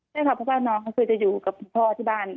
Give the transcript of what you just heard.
ใช่ค่ะเพราะว่าน้องก็คือจะอยู่กับคุณพ่อที่บ้าน